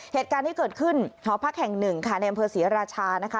เหตุการณ์ที่เกิดขึ้นหอพักแห่งหนึ่งค่ะในอำเภอศรีราชานะคะ